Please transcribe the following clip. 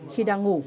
khi đang ngủ